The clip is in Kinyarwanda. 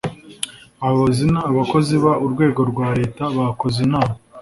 abayobozi n abakozi b urwego rwa leta bakoze inama